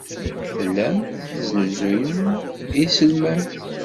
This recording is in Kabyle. Tellam tesnuzuyem iselman.